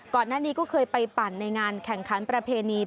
ก่อนหน้านี้ก็เคยไปปั่นในงานแข่งขันประเพณี